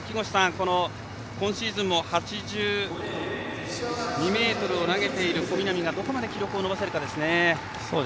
今シーズン８２ｍを投げている小南がどこまで記録を伸ばすかですね。